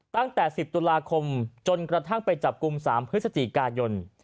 ตั้งแต่๑๐ตุลาคมจนกระทั่งไปจับกลุ่ม๓พฤศจิกายน